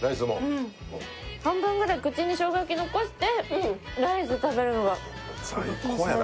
うん半分ぐらい口にしょうが焼き残してライス食べるのが最高やな